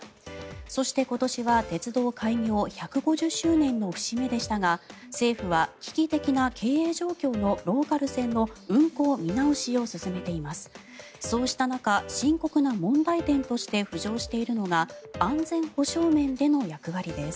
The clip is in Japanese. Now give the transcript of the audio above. そして、今年は鉄道開業１５０周年の節目でしたが政府は危機的な経営状況のローカル線の運行見直しを進めています。